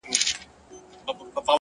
زړه سوي عملونه اوږد مهاله اغېز لري!